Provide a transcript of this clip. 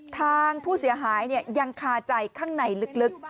ทางผู้เสียหายยังคาใจข้างในลึก